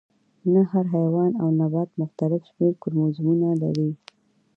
نه هر حیوان او نبات مختلف شمیر کروموزومونه لري